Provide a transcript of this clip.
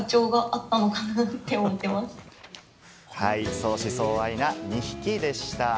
相思相愛な２匹でした。